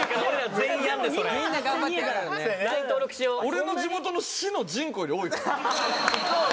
俺の地元の市の人口より多い。